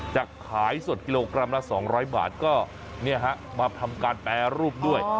จะขายสดกิโลกรัมละ๒๐๐บาทก็มาทำการแปรรูปด้วย